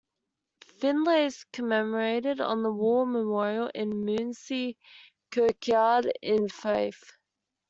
Finlay is commemorated on the war memorial in Moonzie Kirkyard in Fife.